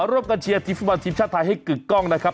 มาร่วมกันเชียร์ทีมชาติไทยให้กึกกล้องนะครับ